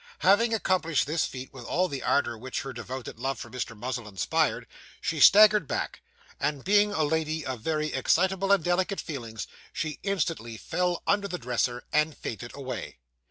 Having accomplished this feat with all the ardour which her devoted love for Mr. Muzzle inspired, she staggered back; and being a lady of very excitable and delicate feelings, she instantly fell under the dresser, and fainted away.